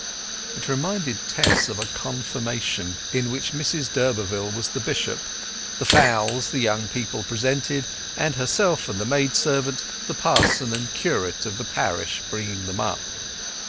It reminded Tess of a Confirmation, in which Mrs d'Urberville was the bishop, the fowls the young people presented, and herself and the maid servant the parson and curate of the parish bringing them up.